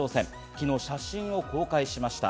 昨日、写真を公開しました。